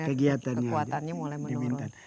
kegiatannya mulai menurun